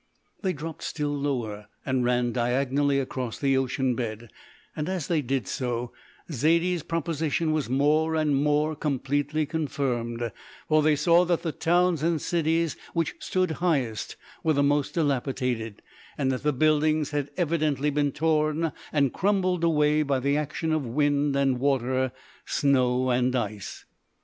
They dropped still lower and ran diagonally across the ocean bed, and as they did so Zaidie's proposition was more and more completely confirmed, for they saw that the towns and cities which stood highest were the most dilapidated, and that the buildings had evidently been torn and crumbled away by the action of wind and water, snow and ice.